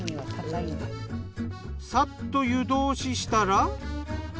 さっと湯通ししたら。